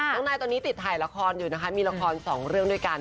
นายตอนนี้ติดถ่ายละครอยู่นะคะมีละครสองเรื่องด้วยกัน